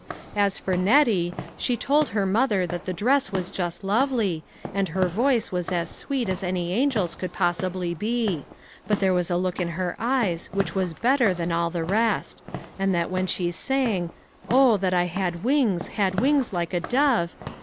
As for Nettie, she told her mother that the dress was just lovely, and her voice was as sweet as any angel's could possibly be ; but there was a look in her eyes which was better than all the rest ; and that when she sang, " Oh that I had wings, had wings like a dove